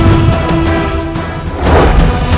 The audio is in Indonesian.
aku tidak mau berpikir seperti itu